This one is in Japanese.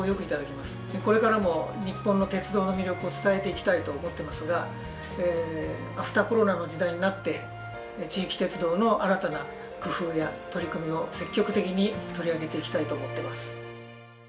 これからも日本の鉄道の魅力を伝えていきたいと思ってますがアフターコロナの時代になって地域鉄道の新たな工夫や取り組みを積極的に取り上げていきたいと思ってます。